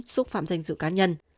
xúc phạm danh dự cá nhân